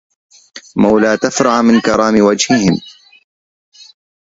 مولى تفرع من كرام وجههم